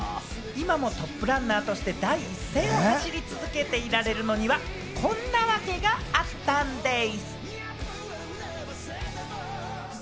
今もトップランナーとして第一線を走り続けていられるのには、こんな訳があったんでぃす！